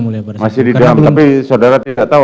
mulai masih di dalam tapi saudara tidak tahu